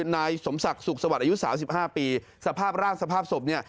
นายสมศักดิ์สุขสวัสดิ์อายุสามสิบห้าปีสภาพร่างสภาพศพเนี่ย